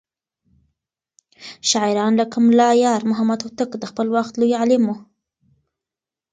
شاعران لکه ملا يارمحمد هوتک د خپل وخت لوى عالم و.